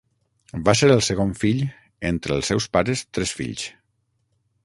Va ser el segon fill, entre els seus pares tres fills.